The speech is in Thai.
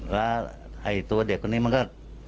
แล้วตัวเด็กคนนี้มันก็